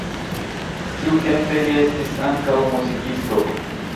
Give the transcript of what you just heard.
Tiutempe li estis ankaŭ muzikisto.